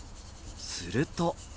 すると。